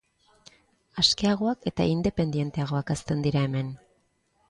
Askeagoak eta independenteagoak hazten dira hemen.